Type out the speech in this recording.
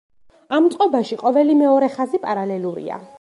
ამ წყობაში ყოველი მეორე ხაზი პარალელურია.